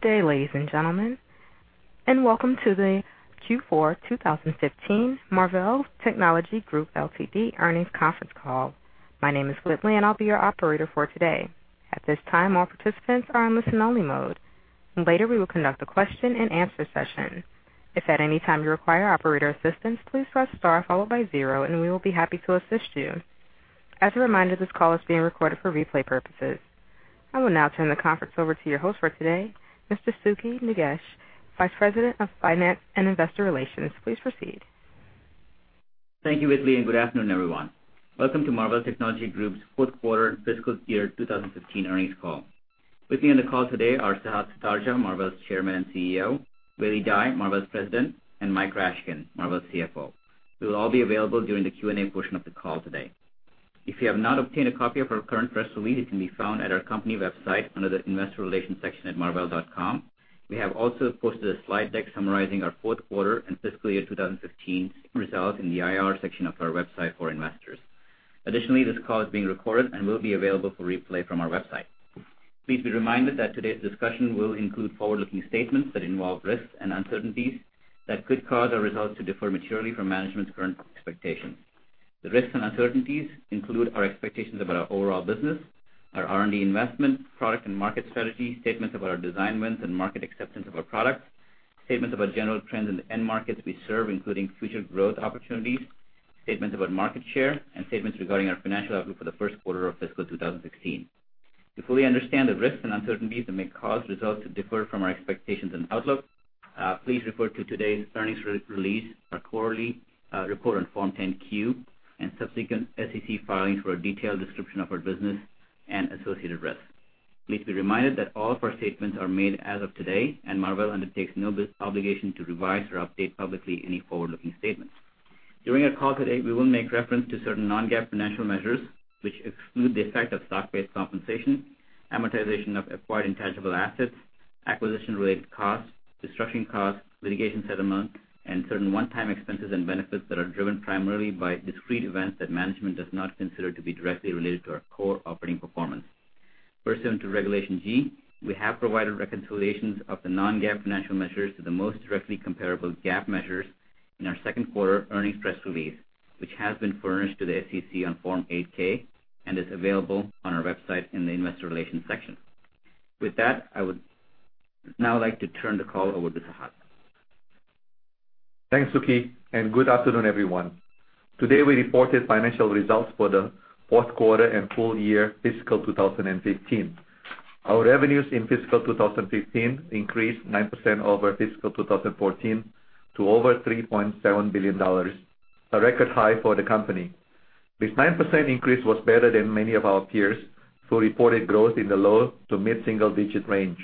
Good day, ladies and gentlemen, welcome to the Q4 2015 Marvell Technology Group Ltd. earnings conference call. My name is Whitley, and I'll be your operator for today. At this time, all participants are in listen only mode. Later we will conduct a question and answer session. If at any time you require operator assistance, please press star followed by zero and we will be happy to assist you. As a reminder, this call is being recorded for replay purposes. I will now turn the conference over to your host for today, Mr. Sukhi Nagesh, Vice President of Finance and Investor Relations. Please proceed. Thank you, Whitley. Good afternoon, everyone. Welcome to Marvell Technology Group's fourth quarter fiscal year 2015 earnings call. With me on the call today are Sehat Sutardja, Marvell's Chairman and CEO, Weili Dai, Marvell's President, and Mike Rashkin, Marvell's CFO. We will all be available during the Q&A portion of the call today. If you have not obtained a copy of our current press release, it can be found at our company website under the investor relations section at marvell.com. We have also posted a slide deck summarizing our fourth quarter and fiscal year 2015 results in the IR section of our website for investors. This call is being recorded and will be available for replay from our website. Please be reminded that today's discussion will include forward-looking statements that involve risks and uncertainties that could cause our results to differ materially from management's current expectations. The risks and uncertainties include our expectations about our overall business, our R&D investment, product and market strategy, statements about our design wins and market acceptance of our products, statements about general trends in the end markets we serve, including future growth opportunities, statements about market share, statements regarding our financial outlook for the first quarter of fiscal 2016. To fully understand the risks and uncertainties that may cause results to differ from our expectations and outlook, please refer to today's earnings release, our quarterly report on Form 10-Q, subsequent SEC filings for a detailed description of our business and associated risks. Please be reminded that all of our statements are made as of today, Marvell undertakes no obligation to revise or update publicly any forward-looking statements. During our call today, we will make reference to certain non-GAAP financial measures, which exclude the effect of stock-based compensation, amortization of acquired intangible assets, acquisition-related costs, restructuring costs, litigation settlements, and certain one-time expenses and benefits that are driven primarily by discrete events that management does not consider to be directly related to our core operating performance. Pursuant to Regulation G, we have provided reconciliations of the non-GAAP financial measures to the most directly comparable GAAP measures in our second quarter earnings press release, which has been furnished to the SEC on Form 8-K and is available on our website in the investor relations section. I would now like to turn the call over to Sehat. Thanks, Sukhi, and good afternoon, everyone. Today, we reported financial results for the fourth quarter and full year fiscal 2015. Our revenues in fiscal 2015 increased 9% over fiscal 2014 to over $3.7 billion, a record high for the company. This 9% increase was better than many of our peers who reported growth in the low to mid-single digit range.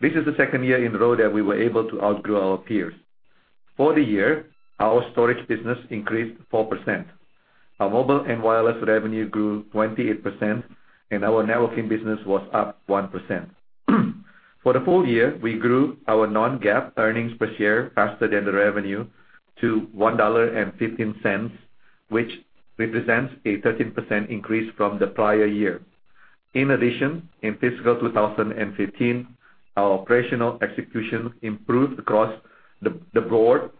This is the second year in a row that we were able to outgrow our peers. For the year, our storage business increased 4%. Our mobile and wireless revenue grew 28%, and our networking business was up 1%. For the full year, we grew our non-GAAP EPS faster than the revenue to $1.15, which represents a 13% increase from the prior year. In addition, in fiscal 2015, our operational execution improved across the board,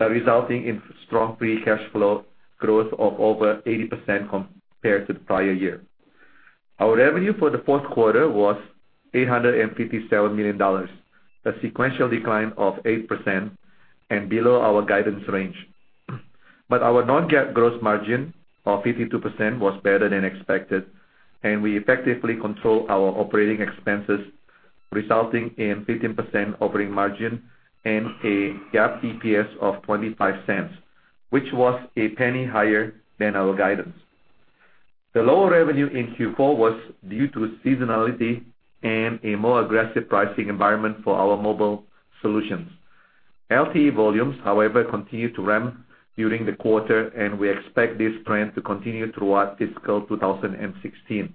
resulting in strong free cash flow growth of over 80% compared to the prior year. Our revenue for the fourth quarter was $857 million, a sequential decline of 8% and below our guidance range. Our non-GAAP gross margin of 52% was better than expected, and we effectively controlled our operating expenses, resulting in 15% operating margin and a GAAP EPS of $0.25, which was a penny higher than our guidance. The lower revenue in Q4 was due to seasonality and a more aggressive pricing environment for our mobile solutions. LTE volumes, however, continued to ramp during the quarter, and we expect this trend to continue throughout fiscal 2016.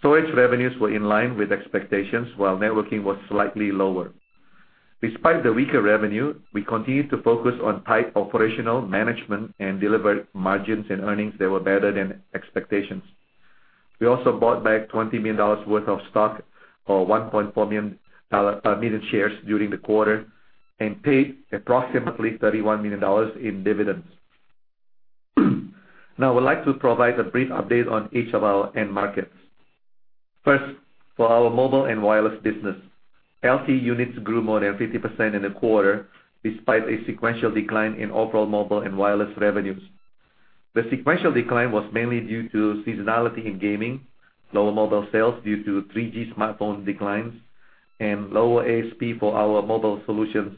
Storage revenues were in line with expectations, while networking was slightly lower. Despite the weaker revenue, we continued to focus on tight operational management and delivered margins and earnings that were better than expectations. We also bought back $20 million worth of stock or 1.4 million shares during the quarter and paid approximately $31 million in dividends. I would like to provide a brief update on each of our end markets. First, for our mobile and wireless business. LTE units grew more than 50% in the quarter, despite a sequential decline in overall mobile and wireless revenues. The sequential decline was mainly due to seasonality in gaming, lower mobile sales due to 3G smartphone declines, and lower ASP for our mobile solutions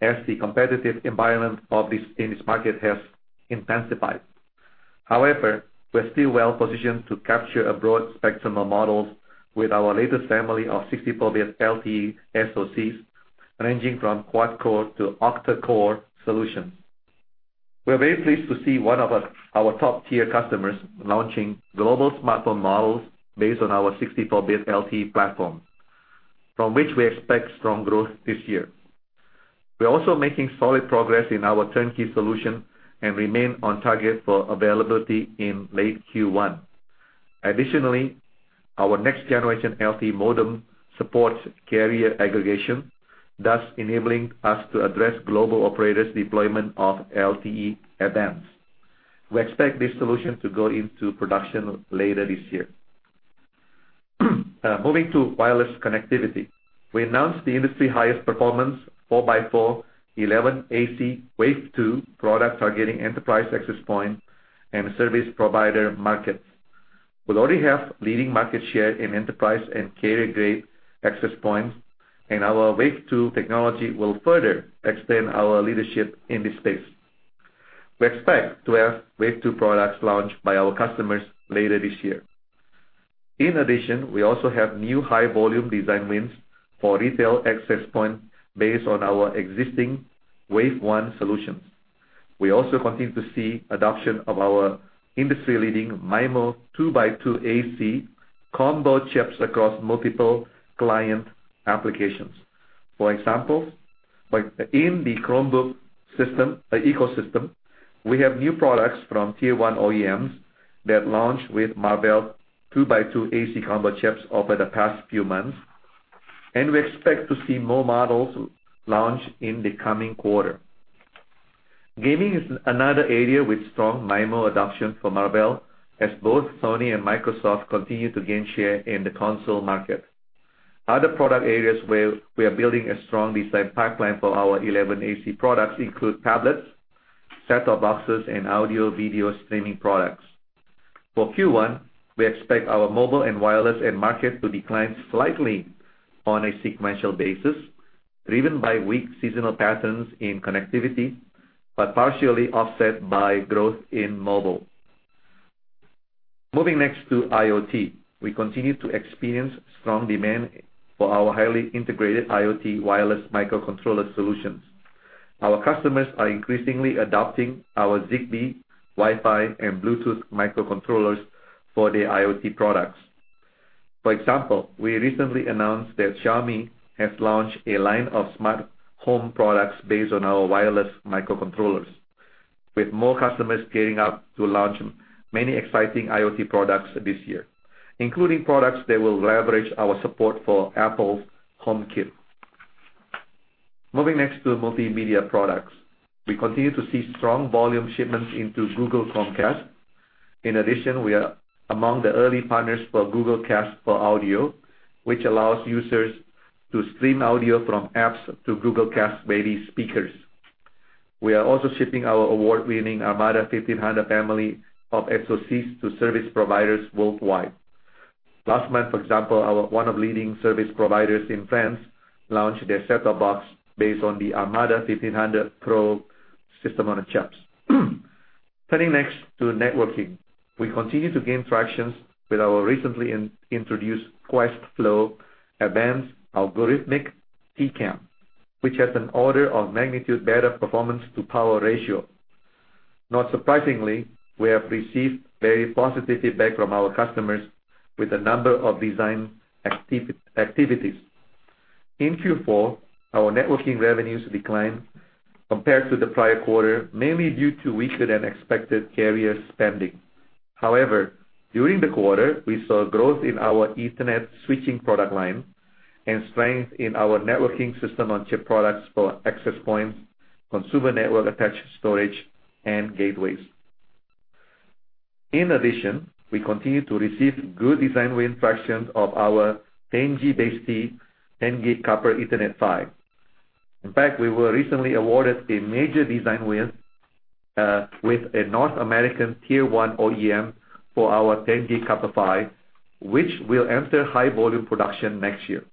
as the competitive environment in this market has intensified. However, we're still well positioned to capture a broad spectrum of models with our latest family of 64-bit LTE SoCs, ranging from quad core to octa core solutions. We are very pleased to see 1 of our top tier customers launching global smartphone models based on our 64-bit LTE platforms, from which we expect strong growth this year. We are also making solid progress in our turnkey solution and remain on target for availability in late Q1. Additionally, our next generation LTE modem supports carrier aggregation, thus enabling us to address global operators' deployment of LTE Advanced. We expect this solution to go into production later this year. Moving to wireless connectivity, we announced the industry highest performance four by four 11AC Wave 2 product targeting enterprise access point and service provider markets. We already have leading market share in enterprise and carrier-grade access points, and our Wave 2 technology will further extend our leadership in this space. We expect to have Wave 2 products launched by our customers later this year. In addition, we also have new high volume design wins for retail access point based on our existing Wave 1 solutions. We also continue to see adoption of our industry-leading MIMO 2x2 AC combo chips across multiple client applications. For example, in the Chromebook ecosystem, we have new products from tier 1 OEMs that launched with Marvell 2x2 AC combo chips over the past few months, and we expect to see more models launched in the coming quarter. Gaming is another area with strong MIMO adoption for Marvell, as both Sony and Microsoft continue to gain share in the console market. Other product areas where we are building a strong design pipeline for our 11AC products include tablets, set-top boxes, and audio/video streaming products. For Q1, we expect our mobile and wireless end market to decline slightly on a sequential basis, driven by weak seasonal patterns in connectivity, but partially offset by growth in mobile. Moving next to IoT. We continue to experience strong demand for our highly integrated IoT wireless microcontroller solutions. Our customers are increasingly adopting our Zigbee, Wi-Fi, and Bluetooth microcontrollers for their IoT products. For example, we recently announced that Xiaomi has launched a line of smart home products based on our wireless microcontrollers. With more customers gearing up to launch many exciting IoT products this year, including products that will leverage our support for Apple's HomeKit. Moving next to multimedia products. We continue to see strong volume shipments into Google Chromecast. In addition, we are among the early partners for Google Cast for audio, which allows users to stream audio from apps to Google Cast-ready speakers. We are also shipping our award-winning ARMADA 1500 family of SoCs to service providers worldwide. Last month, for example, one of leading service providers in France launched their set-top box based on the ARMADA 1500 PRO System-on-Chip. Turning next to networking. We continue to gain traction with our recently introduced Questflo advanced algorithmic TCAM, which has an order of magnitude better performance to power ratio. Not surprisingly, we have received very positive feedback from our customers with a number of design activities. In Q4, our networking revenues declined compared to the prior quarter, mainly due to weaker than expected carrier spending. However, during the quarter, we saw growth in our Ethernet switching product line and strength in our networking System-on-Chip products for access points, consumer network-attached storage, and gateways. In addition, we continue to receive good design win fractions of our 10GBASE-T 10G copper PHY. In fact, we were recently awarded a major design win with a North American tier 1 OEM for our 10G copper PHY, which will enter high volume production next year.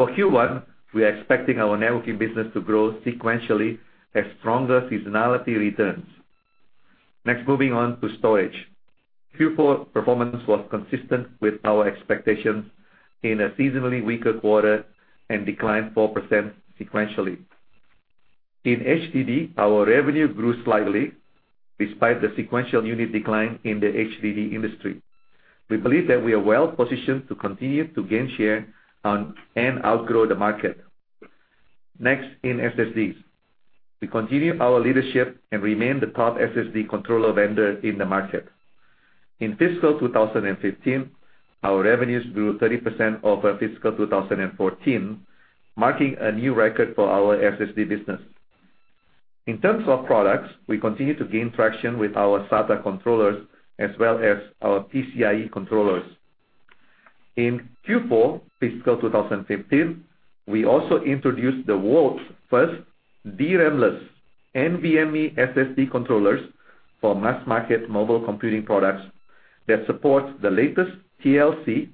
For Q1, we are expecting our networking business to grow sequentially as stronger seasonality returns. Next, moving on to storage. Q4 performance was consistent with our expectations in a seasonally weaker quarter and declined 4% sequentially. In HDD, our revenue grew slightly despite the sequential unit decline in the HDD industry. We believe that we are well positioned to continue to gain share on and outgrow the market. Next, in SSD. We continue our leadership and remain the top SSD controller vendor in the market. In fiscal 2015, our revenues grew 30% over fiscal 2014, marking a new record for our SSD business. In terms of products, we continue to gain traction with our SATA controllers as well as our PCIe controllers. In Q4 fiscal 2015, we also introduced the world's first DRAM-less NVMe SSD controllers for mass market mobile computing products that support the latest TLC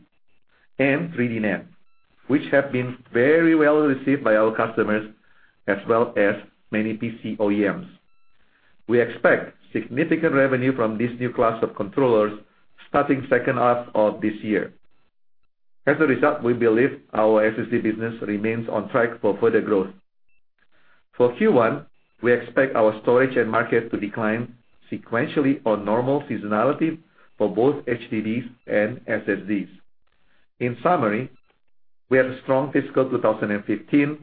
and 3D NAND, which have been very well received by our customers as well as many PC OEMs. We expect significant revenue from this new class of controllers starting second half of this year. As a result, we believe our SSD business remains on track for further growth. For Q1, we expect our storage and market to decline sequentially on normal seasonality for both HDDs and SSDs. In summary, we had a strong fiscal 2015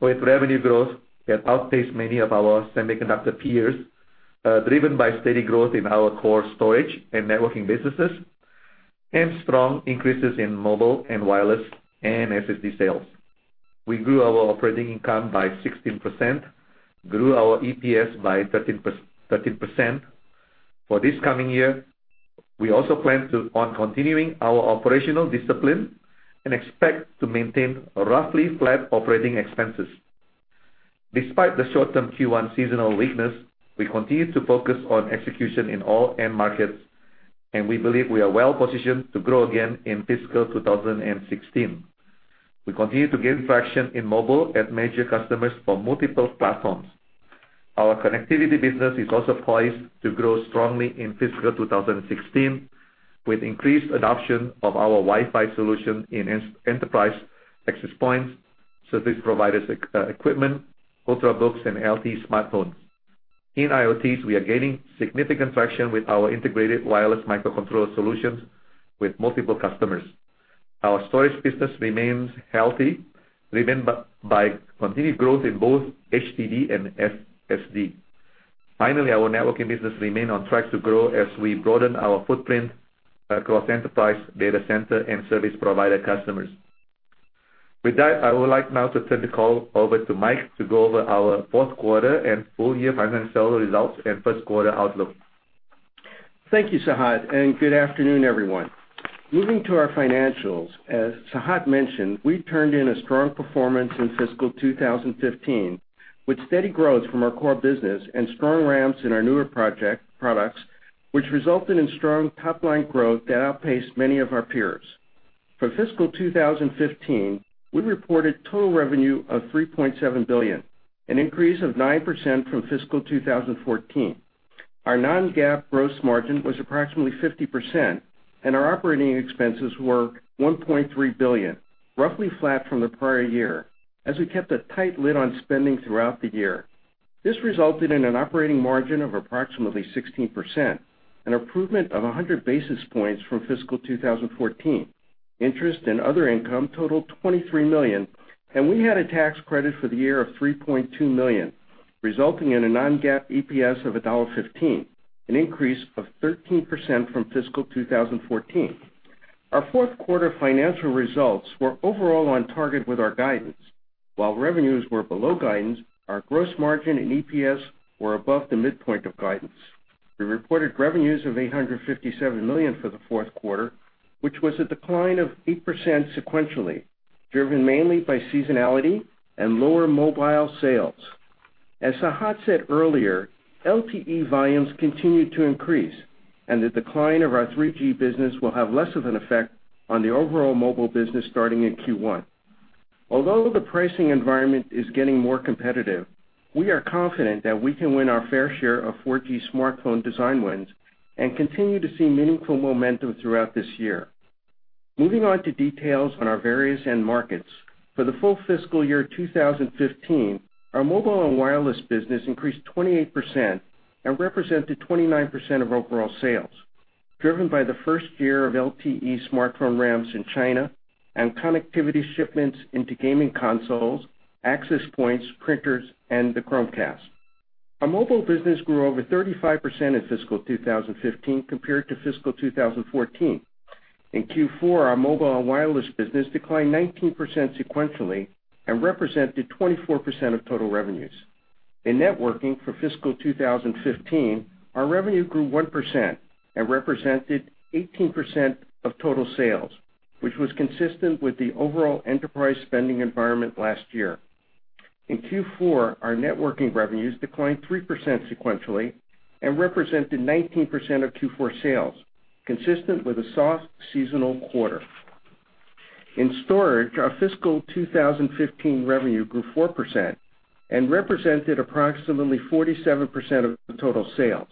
with revenue growth that outpaced many of our semiconductor peers, driven by steady growth in our core storage and networking businesses and strong increases in mobile and wireless and SSD sales. We grew our operating income by 16%, grew our EPS by 13%. For this coming year, we also plan on continuing our operational discipline and expect to maintain roughly flat operating expenses. Despite the short-term Q1 seasonal weakness, we continue to focus on execution in all end markets, and we believe we are well-positioned to grow again in fiscal 2016. We continue to gain traction in mobile at major customers for multiple platforms. Our connectivity business is also poised to grow strongly in fiscal 2016 with increased adoption of our Wi-Fi solution in enterprise access points, service providers equipment, ultrabooks, and LTE smartphones. In IoT, we are gaining significant traction with our integrated wireless microcontroller solutions with multiple customers. Our storage business remains healthy, driven by continued growth in both HDD and SSD. Finally, our networking business remains on track to grow as we broaden our footprint across enterprise, data center, and service provider customers. With that, I would like now to turn the call over to Mike to go over our fourth quarter and full year financial results and first quarter outlook. Thank you, Sehat, and good afternoon, everyone. Moving to our financials, as Sehat mentioned, we turned in a strong performance in fiscal 2015 with steady growth from our core business and strong ramps in our newer products, which resulted in strong top-line growth that outpaced many of our peers. For fiscal 2015, we reported total revenue of $3.7 billion, an increase of 9% from fiscal 2014. Our non-GAAP gross margin was approximately 50%, and our operating expenses were $1.3 billion, roughly flat from the prior year, as we kept a tight lid on spending throughout the year. This resulted in an operating margin of approximately 16%, an improvement of 100 basis points from fiscal 2014. Interest and other income totaled $23 million, and we had a tax credit for the year of $3.2 million, resulting in a non-GAAP EPS of $1.15, an increase of 13% from fiscal 2014. Our fourth quarter financial results were overall on target with our guidance. While revenues were below guidance, our gross margin and EPS were above the midpoint of guidance. We reported revenues of $857 million for the fourth quarter, which was a decline of 8% sequentially, driven mainly by seasonality and lower mobile sales. As Sehat said earlier, LTE volumes continued to increase, and the decline of our 3G business will have less of an effect on the overall mobile business starting in Q1. Although the pricing environment is getting more competitive, we are confident that we can win our fair share of 4G smartphone design wins and continue to see meaningful momentum throughout this year. Moving on to details on our various end markets, for the full fiscal year 2015, our mobile and wireless business increased 28% and represented 29% of overall sales, driven by the first year of LTE smartphone ramps in China and connectivity shipments into gaming consoles, access points, printers, and the Chromecast. Our mobile business grew over 35% in fiscal 2015 compared to fiscal 2014. In Q4, our mobile and wireless business declined 19% sequentially and represented 24% of total revenues. In networking for fiscal 2015, our revenue grew 1% and represented 18% of total sales, which was consistent with the overall enterprise spending environment last year. In Q4, our networking revenues declined 3% sequentially and represented 19% of Q4 sales, consistent with a soft seasonal quarter. In storage, our fiscal 2015 revenue grew 4% and represented approximately 47% of the total sales.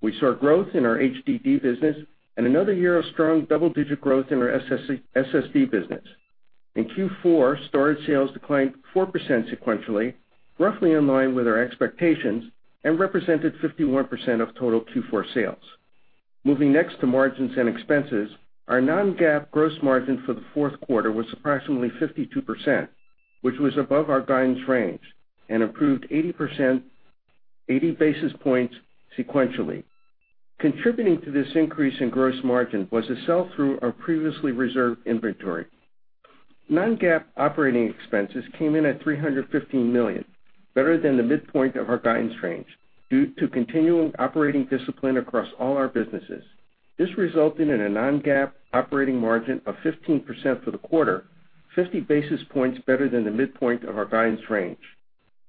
We saw growth in our HDD business and another year of strong double-digit growth in our SSD business. In Q4, storage sales declined 4% sequentially, roughly in line with our expectations, and represented 51% of total Q4 sales. Moving next to margins and expenses, our non-GAAP gross margin for the fourth quarter was approximately 52%, which was above our guidance range and improved 80 basis points sequentially. Contributing to this increase in gross margin was the sell-through of previously reserved inventory. Non-GAAP operating expenses came in at $315 million, better than the midpoint of our guidance range, due to continuing operating discipline across all our businesses. This resulted in a non-GAAP operating margin of 15% for the quarter, 50 basis points better than the midpoint of our guidance range.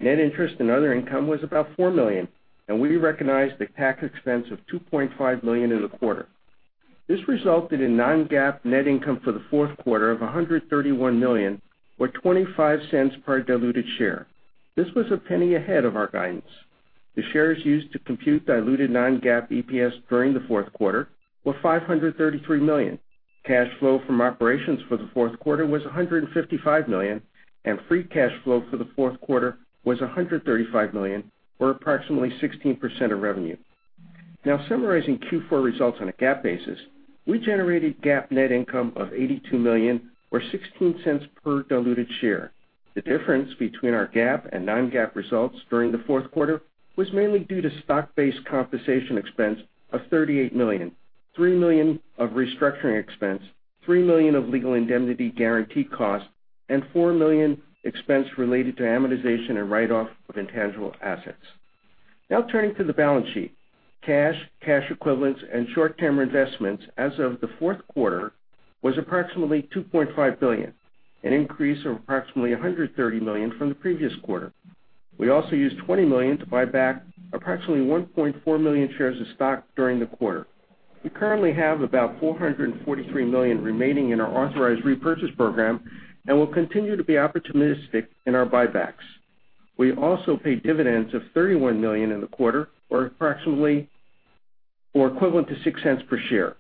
Net interest and other income was about $4 million, and we recognized a tax expense of $2.5 million in the quarter. This resulted in non-GAAP net income for the fourth quarter of $131 million or $0.25 per diluted share. This was a penny ahead of our guidance. The shares used to compute diluted non-GAAP EPS during the fourth quarter were 533 million. Cash flow from operations for the fourth quarter was $155 million, and free cash flow for the fourth quarter was $135 million, or approximately 16% of revenue. Now summarizing Q4 results on a GAAP basis, we generated GAAP net income of $82 million or $0.16 per diluted share. The difference between our GAAP and non-GAAP results during the fourth quarter was mainly due to stock-based compensation expense of $38 million, $3 million of restructuring expense, $3 million of legal indemnity guarantee costs, and $4 million expense related to amortization and write-off of intangible assets. Now turning to the balance sheet. Cash, cash equivalents, and short-term investments as of the fourth quarter was approximately $2.5 billion, an increase of approximately $130 million from the previous quarter. We also used $20 million to buy back approximately 1.4 million shares of stock during the quarter. We currently have about $443 million remaining in our authorized repurchase program and will continue to be opportunistic in our buybacks. We also paid dividends of $31 million in the quarter or equivalent to $0.06 per share.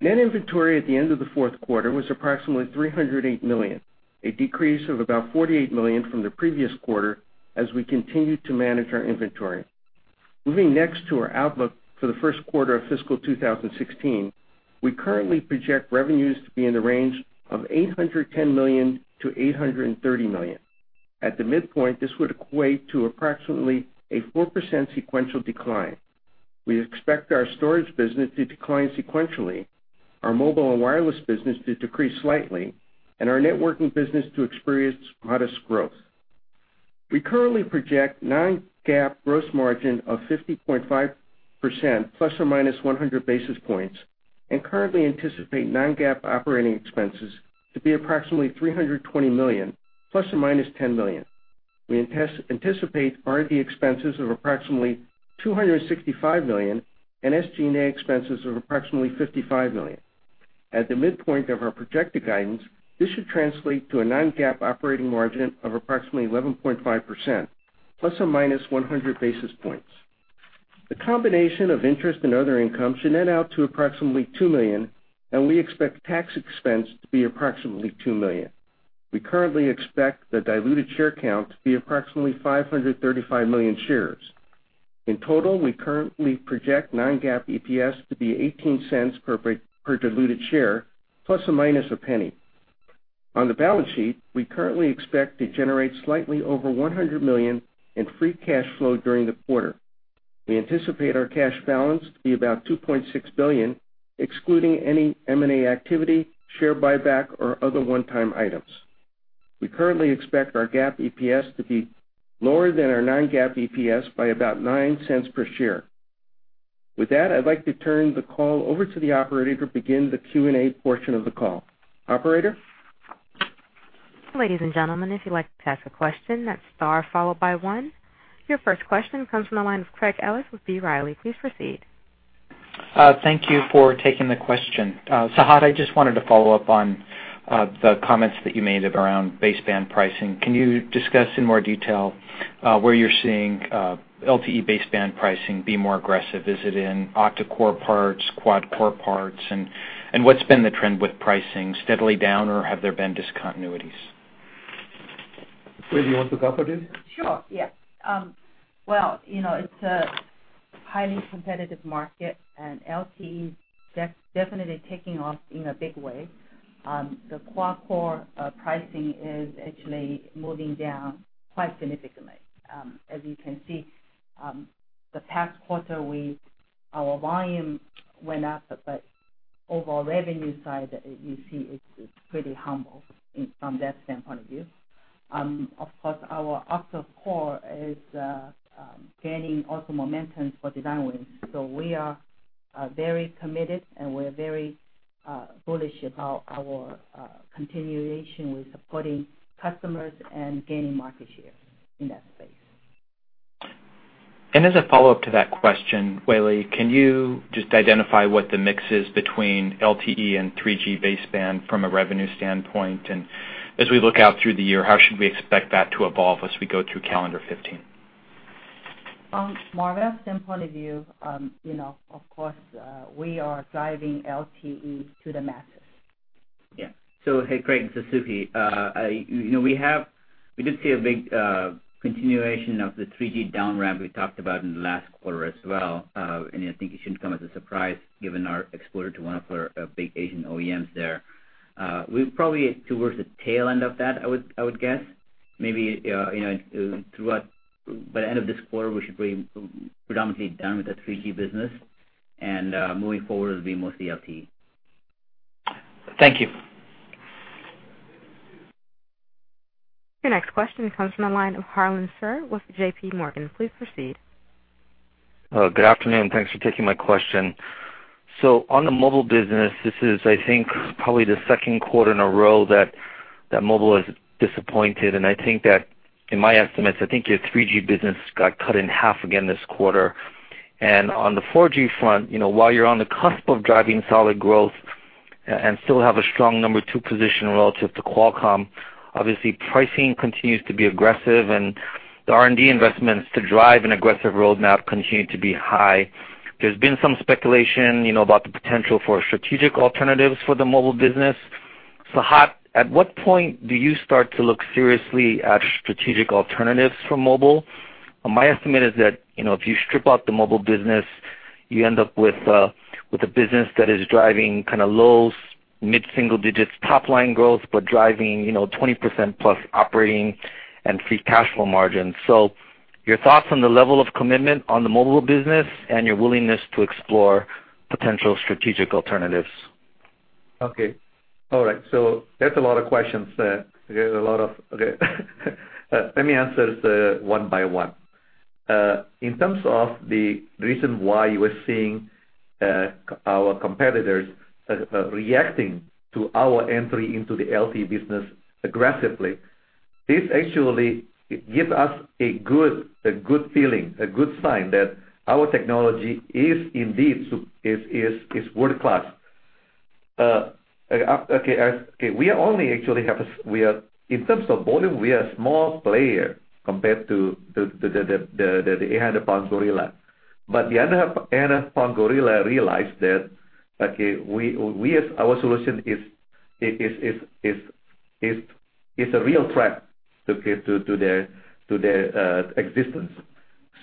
Net inventory at the end of the fourth quarter was approximately $308 million, a decrease of about $48 million from the previous quarter as we continued to manage our inventory. Moving next to our outlook for the first quarter of fiscal 2016, we currently project revenues to be in the range of $810 million-$830 million. At the midpoint, this would equate to approximately a 4% sequential decline. We expect our storage business to decline sequentially, our mobile and wireless business to decrease slightly, and our networking business to experience modest growth. We currently project non-GAAP gross margin of 50.5% plus or minus 100 basis points and currently anticipate non-GAAP operating expenses to be approximately $320 million plus or minus $10 million. We anticipate R&D expenses of approximately $265 million and SG&A expenses of approximately $55 million. At the midpoint of our projected guidance, this should translate to a non-GAAP operating margin of approximately 11.5% plus or minus 100 basis points. The combination of interest and other income should net out to approximately $2 million, and we expect tax expense to be approximately $2 million. We currently expect the diluted share count to be approximately 535 million shares. In total, we currently project non-GAAP EPS to be $0.18 per diluted share, plus or minus $0.01. On the balance sheet, we currently expect to generate slightly over $100 million in free cash flow during the quarter. We anticipate our cash balance to be about $2.6 billion, excluding any M&A activity, share buyback, or other one-time items. We currently expect our GAAP EPS to be lower than our non-GAAP EPS by about $0.09 per share. With that, I'd like to turn the call over to the operator to begin the Q&A portion of the call. Operator? Ladies and gentlemen, if you'd like to ask a question, that's star followed by one. Your first question comes from the line of Craig Ellis with B. Riley. Please proceed. Thank you for taking the question. Sehat, I just wanted to follow up on the comments that you made around baseband pricing. Can you discuss in more detail where you're seeing LTE baseband pricing be more aggressive? Is it in octa-core parts, quad-core parts, what's been the trend with pricing, steadily down, or have there been discontinuities? Wei, do you want to go for this? Sure, yes. It's a highly competitive market, LTE is definitely taking off in a big way. The quad-core pricing is actually moving down quite significantly. As you can see, the past quarter, our volume went up, overall revenue side, you see it's pretty humble from that standpoint of view. Of course, our octa-core is gaining also momentum for design wins. We are very committed, and we're very bullish about our continuation with supporting customers and gaining market share in that space. As a follow-up to that question, Wei, can you just identify what the mix is between LTE and 3G baseband from a revenue standpoint? As we look out through the year, how should we expect that to evolve as we go through calendar 2015? From Marvell's standpoint of view, of course, we are driving LTE to the masses. Yeah. Hey, Craig, it's Sukhi. We did see a big continuation of the 3G down ramp we talked about in the last quarter as well, and I think it shouldn't come as a surprise given our exposure to one of our big Asian OEMs there. We're probably towards the tail end of that, I would guess. Maybe by the end of this quarter, we should be predominantly done with the 3G business, and moving forward it will be mostly LTE. Thank you. Your next question comes from the line of Harlan Sur with J.P. Morgan. Please proceed. Good afternoon. Thanks for taking my question. On the mobile business, this is, I think, probably the second quarter in a row that mobile has disappointed, and I think that in my estimates, I think your 3G business got cut in half again this quarter. On the 4G front, while you're on the cusp of driving solid growth and still have a strong number 2 position relative to Qualcomm, obviously pricing continues to be aggressive and the R&D investments to drive an aggressive roadmap continue to be high. There's been some speculation about the potential for strategic alternatives for the mobile business. Sehat, at what point do you start to look seriously at strategic alternatives for mobile? My estimate is that if you strip out the mobile business, you end up with a business that is driving low, mid-single digits top-line growth, but driving 20%+ operating and free cash flow margins. Your thoughts on the level of commitment on the mobile business and your willingness to explore potential strategic alternatives. Okay. All right. That's a lot of questions there. Let me answer it one by one. In terms of the reason why you are seeing our competitors reacting to our entry into the LTE business aggressively, this actually gives us a good feeling, a good sign that our technology is indeed world-class. In terms of volume, we are a small player compared to the 800-pound gorilla. The 800-pound gorilla realized that our solution is a real threat to their existence.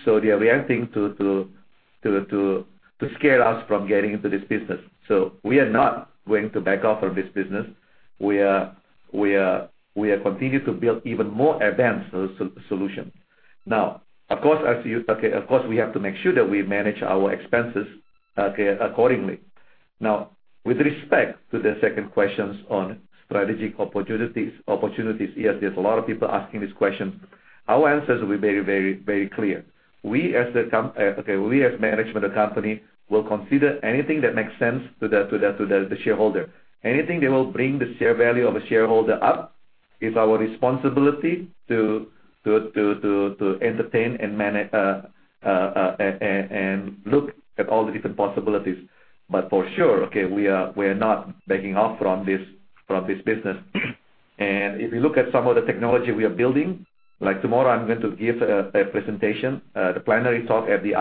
They are reacting to scare us from getting into this business. We are not going to back off from this business. We continue to build even more advanced solutions. Of course, we have to make sure that we manage our expenses accordingly. With respect to the second question on strategic opportunities, yes, there's a lot of people asking these questions. Our answers will be very clear. We, as management of the company, will consider anything that makes sense to the shareholder. Anything that will bring the share value of a shareholder up, it's our responsibility to entertain and look at all the different possibilities. For sure, we are not backing off from this business. If you look at some of the technology we are building, like tomorrow, I'm going to give a presentation, the plenary talk at the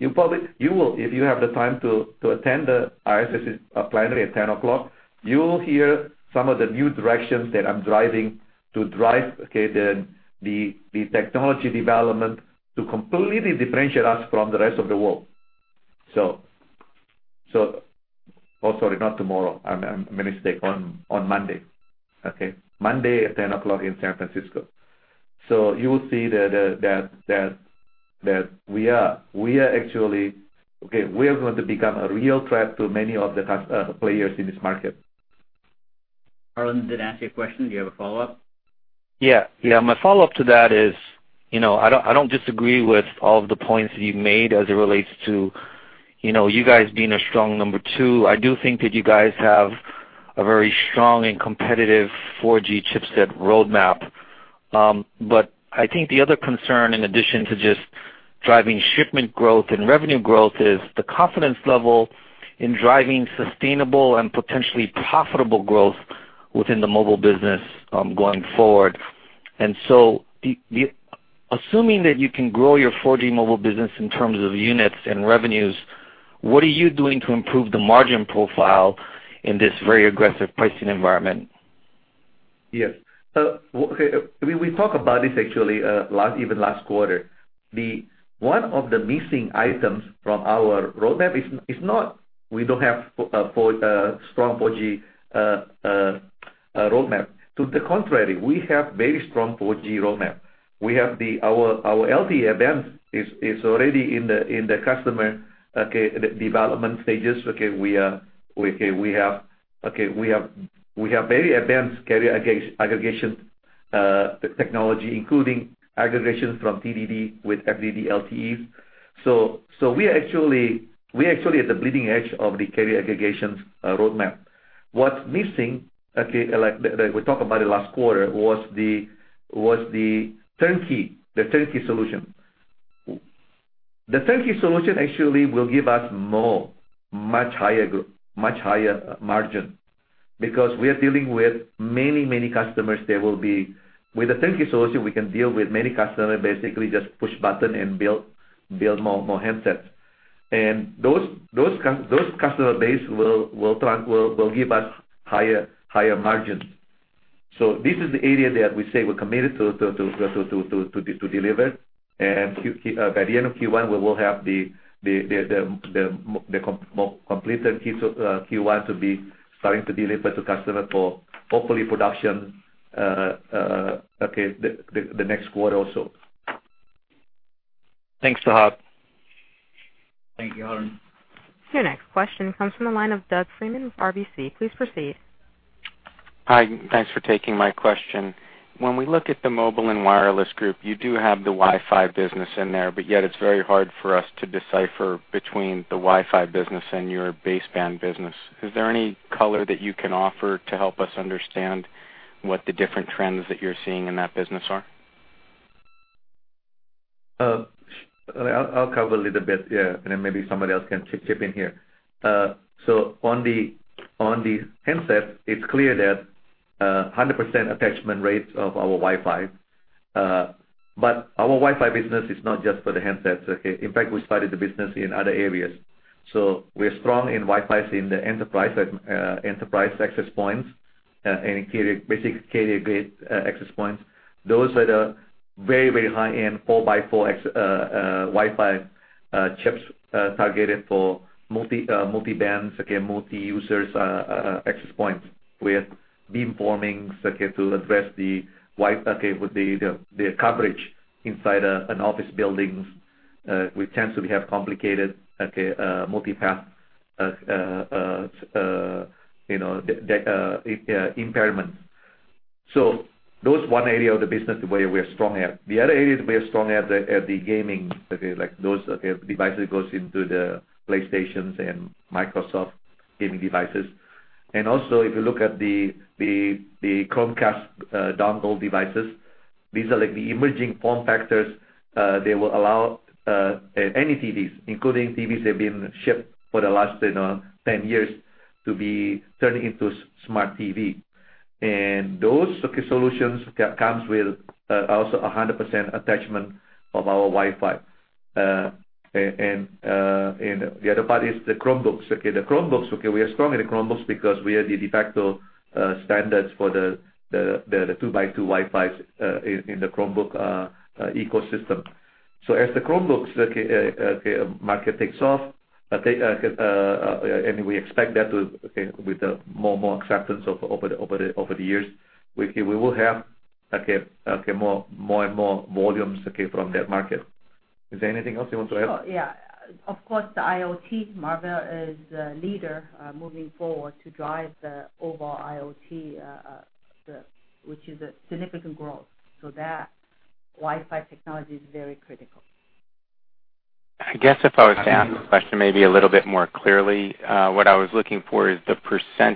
ISSCC. If you have the time to attend the ISSCC plenary at 10:00 A.M., you will hear some of the new directions that I'm driving to drive the technology development to completely differentiate us from the rest of the world. Oh, sorry, not tomorrow. I made a mistake. On Monday. Okay? Monday at 10:00 A.M. in San Francisco. You will see that we are going to become a real threat to many of the players in this market. Harlan, did that answer your question? Do you have a follow-up? My follow-up to that is, I don't disagree with all of the points that you've made as it relates to you guys being a strong number 2. I do think that you guys have a very strong and competitive 4G chipset roadmap. I think the other concern, in addition to just driving shipment growth and revenue growth, is the confidence level in driving sustainable and potentially profitable growth within the mobile business going forward. Assuming that you can grow your 4G mobile business in terms of units and revenues, what are you doing to improve the margin profile in this very aggressive pricing environment? We talked about this actually, even last quarter. One of the missing items from our roadmap is not we don't have a strong 4G roadmap. To the contrary, we have very strong 4G roadmap. Our LTE advance is already in the customer development stages. We have very advanced carrier aggregation technology, including aggregation from TDD with FDD LTEs. We're actually at the bleeding edge of the carrier aggregation roadmap. What's missing, like we talked about it last quarter, was the turnkey solution. The turnkey solution actually will give us much higher margin because we are dealing with many customers. With the turnkey solution, we can deal with many customers, basically just push button and build more handsets. Those customer base will give us higher margins. This is the area that we say we're committed to deliver, and by the end of Q1, we will have the completed Q1 to be starting to deliver to customer for hopefully production the next quarter also. Thanks, Sehat. Thank you, Harlan. Your next question comes from the line of Doug Freedman with RBC. Please proceed. Hi, thanks for taking my question. When we look at the mobile and wireless group, you do have the Wi-Fi business in there, but yet it's very hard for us to decipher between the Wi-Fi business and your baseband business. Is there any color that you can offer to help us understand what the different trends that you're seeing in that business are? I'll cover a little bit, yeah, and then maybe somebody else can chip in here. On the handset, it's clear that 100% attachment rates of our Wi-Fi. Our Wi-Fi business is not just for the handsets. In fact, we started the business in other areas. We're strong in Wi-Fi in the enterprise access points and basic carrier-grade access points. Those are the very high-end four by four Wi-Fi chips targeted for multi-bands, multi-users access points with beamforming, to address the coverage inside an office buildings, which tends to be have complicated multi-path impairment. Those one area of the business where we are strong at. The other areas we are strong at are the gaming, those devices goes into the PlayStation and Microsoft gaming devices. Also, if you look at the Chromecast dongle devices, these are the emerging form factors that will allow any TVs, including TVs that have been shipped for the last 10 years, to be turned into smart TV. Those solutions comes with also 100% attachment of our Wi-Fi. The other part is the Chromebooks. Okay, the Chromebooks, we are strong in the Chromebooks because we are the de facto standards for the two-by-two Wi-Fis in the Chromebook ecosystem. As the Chromebooks market takes off, and we expect that with the more acceptance over the years, we will have more and more volumes from that market. Is there anything else you want to add? Sure, yeah. Of course, the IoT, Marvell is a leader moving forward to drive the overall IoT, which is a significant growth. That Wi-Fi technology is very critical. I guess if I was to ask the question maybe a little bit more clearly, what I was looking for is the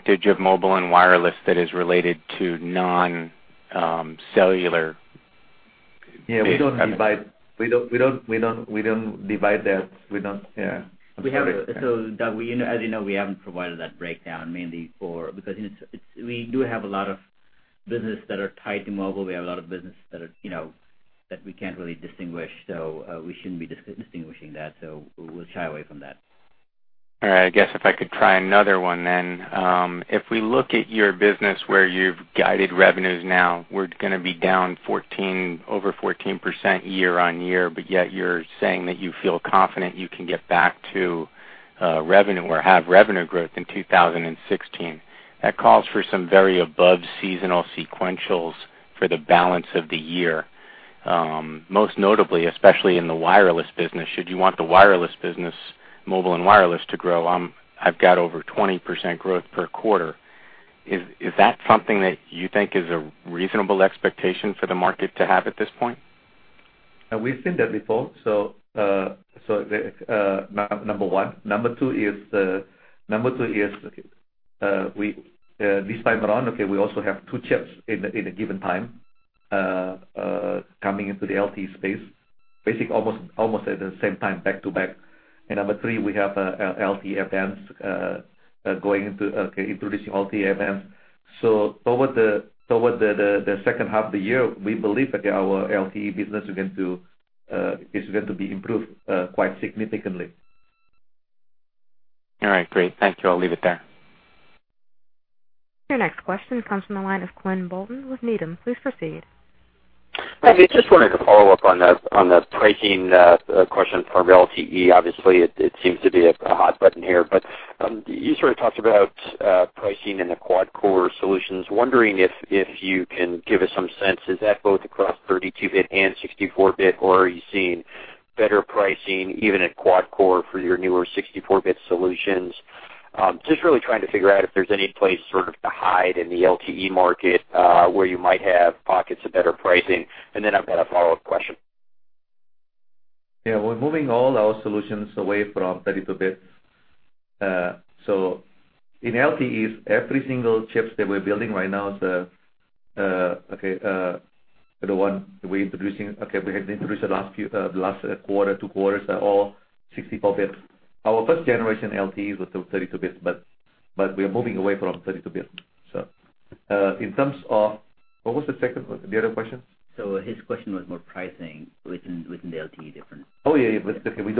% of mobile and wireless that is related to non-cellular. We don't divide that. We don't. Yeah. As you know, we haven't provided that breakdown mainly because we do have a lot of business that are tied to mobile. We have a lot of business that we can't really distinguish. We shouldn't be distinguishing that. We'll shy away from that. All right. I guess if I could try another one then. If we look at your business where you've guided revenues now, we're going to be down over 14% year-on-year, yet you're saying that you feel confident you can get back to revenue or have revenue growth in 2016. That calls for some very above seasonal sequentials for the balance of the year. Most notably, especially in the wireless business, should you want the wireless business, mobile and wireless to grow, I've got over 20% growth per quarter. Is that something that you think is a reasonable expectation for the market to have at this point? We've seen that before, number one. Number two is, this time around, we also have two chips in a given time coming into the LTE space, basically almost at the same time, back to back. Number three, we have LTE Advanced, introducing LTE Advanced. Toward the second half of the year, we believe that our LTE business is going to be improved quite significantly. All right, great. Thank you. I'll leave it there. Your next question comes from the line of Quinn Bolton with Needham. Please proceed. Just wanted to follow up on the pricing question from LTE. Obviously, it seems to be a hot button here, you sort of talked about pricing in the quad-core solutions. Wondering if you can give us some sense, is that both across 32-bit and 64-bit, or are you seeing better pricing even at quad-core for your newer 64-bit solutions? Just really trying to figure out if there's any place sort of to hide in the LTE market where you might have pockets of better pricing. I've got a follow-up question. We're moving all our solutions away from 32-bit. In LTE, every single chip that we're building right now, the one we introduced the last quarter, two quarters, are all 64-bit. Our first generation LTE were 32-bit, we are moving away from 32-bit. What was the other question? His question was more pricing within the LTE difference. We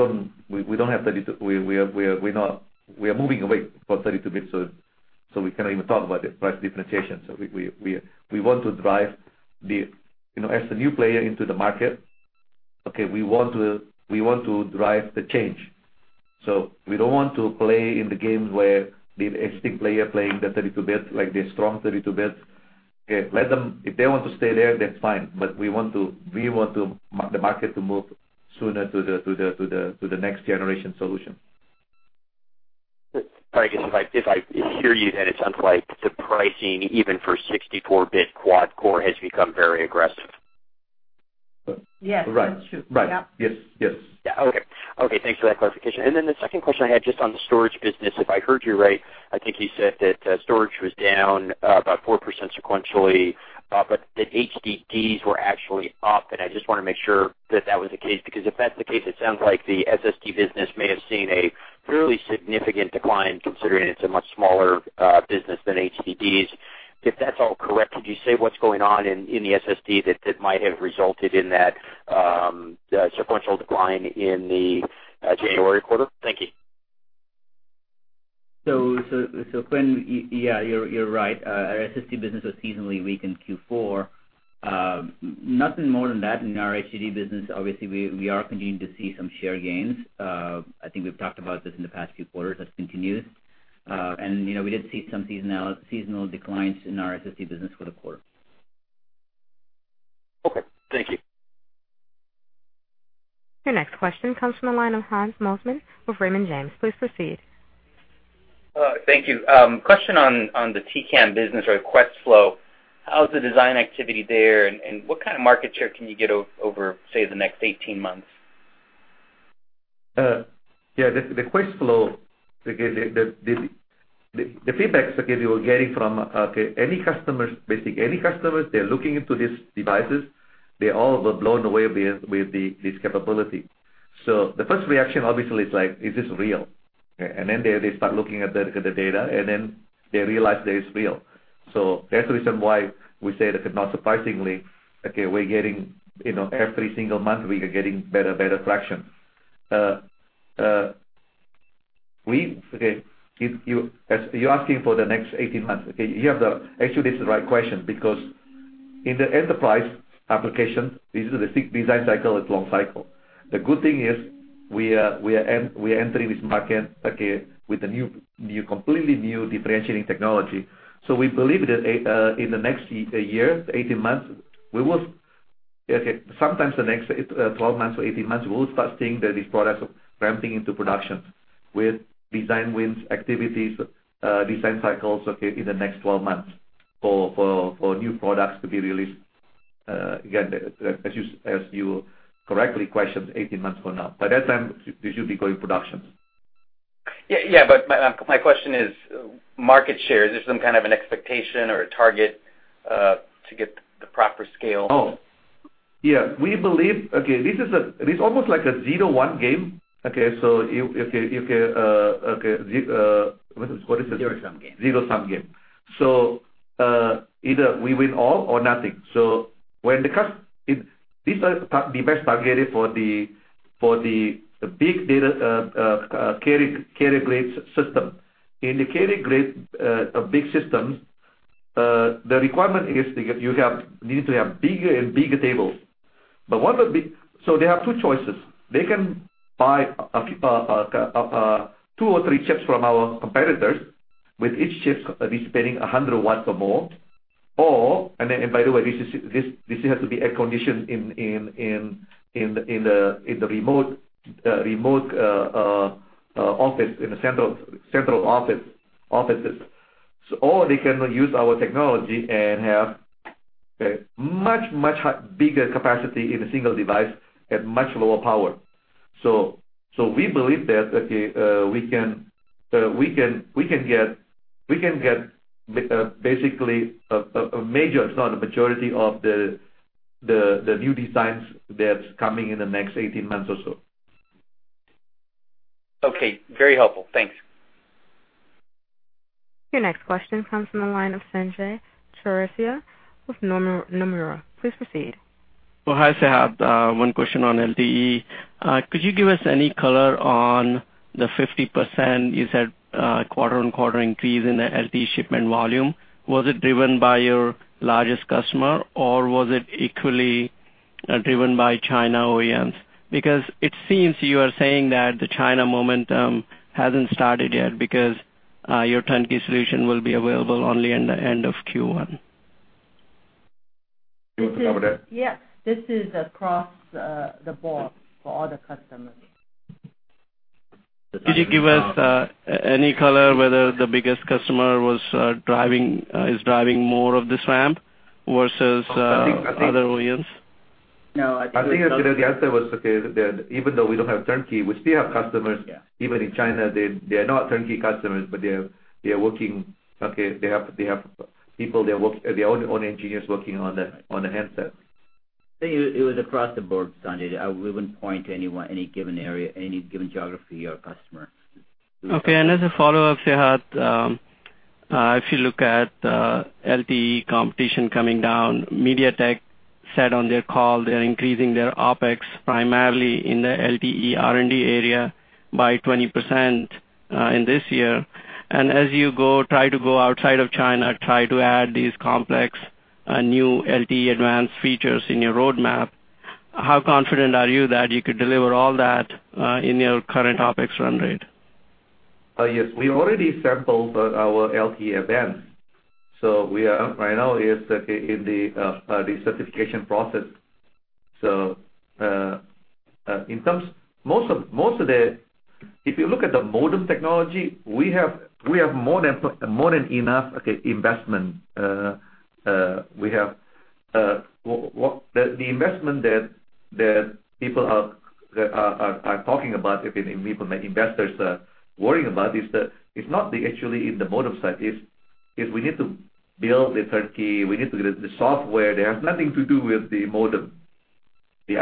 are moving away from 32-bit, we cannot even talk about the price differentiation. As the new player into the market, we want to drive the change. We don't want to play in the games where the existing player playing the 32-bit, like the strong 32-bit. If they want to stay there, that's fine, we want the market to move sooner to the next generation solution. If I hear you it sounds like the pricing, even for 64-bit quad-core has become very aggressive. Yes, that's true. Right. Yes. Yeah. Okay. Thanks for that clarification. The second question I had just on the storage business, if I heard you right, I think you said that storage was down about 4% sequentially, but that HDDs were actually up, and I just want to make sure that that was the case, because if that's the case, it sounds like the SSD business may have seen a fairly significant decline considering it's a much smaller business than HDDs. If that's all correct, could you say what's going on in the SSD that might have resulted in that sequential decline in the January quarter? Thank you. Quinn, yeah, you're right. Our SSD business was seasonally weak in Q4. Nothing more than that in our HDD business. Obviously, we are continuing to see some share gains. I think we've talked about this in the past few quarters. That continues. We did see some seasonal declines in our SSD business for the quarter. Okay. Thank you. Your next question comes from the line of Hans Mosesmann with Raymond James. Please proceed. Thank you. Question on the TCAM business or Questflo. How's the design activity there, and what kind of market share can you get over, say, the next 18 months? Yeah. The Questflo, the feedback we're getting from basically any customers, they're looking into these devices. They all were blown away with this capability. The first reaction obviously is, "Is this real?" Okay. They start looking at the data, and then they realize that it's real. That's the reason why we say that not surprisingly, every single month, we are getting better traction. You're asking for the next 18 months. Okay. Actually, this is the right question because in the enterprise application, this is the design cycle, it's long cycle. The good thing is we are entering this market with a completely new differentiating technology. We believe that in the next year to 18 months, sometimes the next 12 months to 18 months, we will start seeing these products ramping into production with design wins, activities, design cycles in the next 12 months for new products to be released. Again, as you correctly questioned, 18 months from now. By that time, we should be going production. Yeah. My question is market share. Is there some kind of an expectation or a target to get the proper scale? Oh. Yeah. We believe, this is almost like a zero-sum game. Okay, what is it? Zero-sum game. Zero-sum game. Either we win all or nothing. These are the best targeted for the big data carrier-grade system. In the carrier-grade big systems, the requirement is you need to have bigger and bigger tables. They have two choices. They can buy two or three chips from our competitors, with each chip dissipating 100 watts or more. By the way, this has to be air-conditioned in the remote office, in the central offices. They can use our technology and have a much, much bigger capacity in a single device at much lower power. We believe that, okay, we can get basically a major, if not a majority, of the new designs that's coming in the next 18 months or so. Okay. Very helpful. Thanks. Your next question comes from the line of Sanjay Jethia with Nomura. Please proceed. Hi, Sehat. One question on LTE. Could you give us any color on the 50% you said quarter-on-quarter increase in the LTE shipment volume? Was it driven by your largest customer, or was it equally driven by China OEMs? It seems you are saying that the China momentum hasn't started yet because your turnkey solution will be available only in the end of Q1. You want to cover that? Yes. This is across the board for all the customers. Could you give us any color whether the biggest customer is driving more of this ramp versus other OEMs? No. I think the answer was that even though we don't have turnkey, we still have customers even in China. They are not turnkey customers, but they have people there, their own engineers working on the handsets. It was across the board, Sanjay. We wouldn't point to any given area, any given geography or customer. Okay. As a follow-up, Sehat, if you look at LTE competition coming down, MediaTek said on their call they're increasing their OpEx primarily in the LTE R&D area by 20% in this year. As you try to go outside of China, try to add these complex new LTE Advanced features in your roadmap, how confident are you that you could deliver all that in your current OpEx run rate? Yes. We already sampled our LTE Advanced. We are right now in the certification process. If you look at the modem technology, we have more than enough investment. The investment that people are talking about, investors are worrying about, is not actually in the modem side. It's we need to build the turnkey, we need to build the software. That has nothing to do with the modem. The